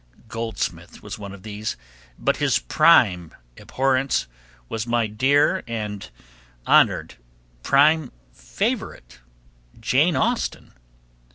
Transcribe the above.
Goldsmith was one of these, but his prime abhorrence was my dear and honored prime favorite, Jane Austen.